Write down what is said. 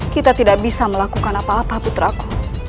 kita tidak bisa melakukan apa apa putra ku